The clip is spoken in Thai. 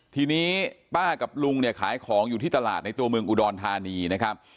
ทีนี้ป้ากับลุงเนี่ยขายของอยู่ที่ตลาดในตัวเมืองอุดรธานีนะครับ